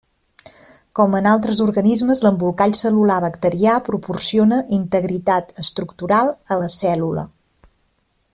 Com en altres organismes, l'embolcall cel·lular bacterià proporciona integritat estructural a la cèl·lula.